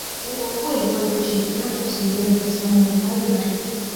Lengo kuu ilikuwa ni kushirikiana na kusaidiana katika mambo mbalimbali